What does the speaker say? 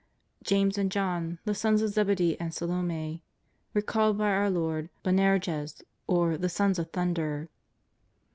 James and John, the sons of Zebedee and Salome, were called by our Lord " Boanerges," or the " Sons of Thunder."